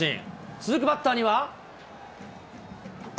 続くバッターには。